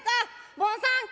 「坊さん」。